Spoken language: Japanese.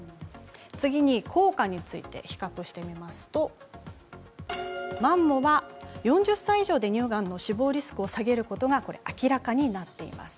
次に、効果について比較してみますとマンモは４０歳以上で乳がんの死亡リスクを下げることが明らかになっています。